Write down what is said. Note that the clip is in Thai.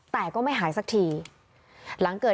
แต่ก็ไม่หายสักที